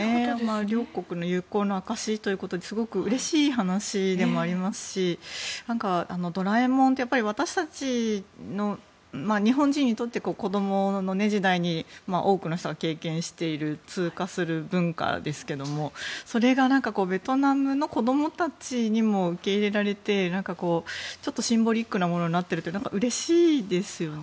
両国の友好の証しということですごくうれしい話でもありますし「ドラえもん」って私たち、日本人にとって子どもの時代に多くの人が経験している通過する文化ですけどもそれがベトナムの子どもたちにも受け入れられてちょっとシンボリックなものになっているというのはうれしいですよね。